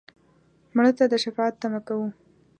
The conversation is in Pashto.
مړه ته د شفاعت تمه کوو